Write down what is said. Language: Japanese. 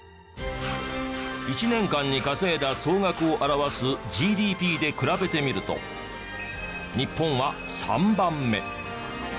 １年間に稼いだ総額を表すＧＤＰで比べてみると日本は３番目。